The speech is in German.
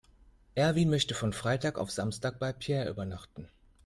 Erwin möchte von Freitag auf Samstag bei Peer übernachten.